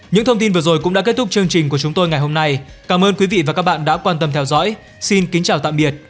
những thông tin vừa rồi cũng đã kết thúc chương trình của chúng tôi ngày hôm nay cảm ơn quý vị và các bạn đã quan tâm theo dõi xin kính chào tạm biệt và hẹn gặp lại